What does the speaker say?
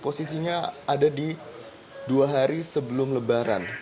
posisinya ada di dua hari sebelum lebaran